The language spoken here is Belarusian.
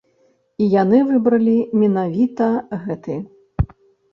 І яны выбралі менавіта гэты.